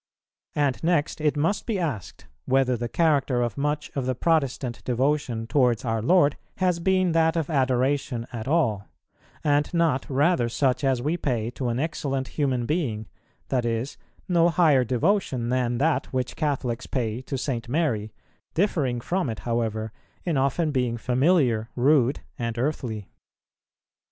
And next it must be asked, whether the character of much of the Protestant devotion towards our Lord has been that of adoration at all; and not rather such as we pay to an excellent human being, that is, no higher devotion than that which Catholics pay to St. Mary, differing from it, however, in often being familiar, rude, and earthly.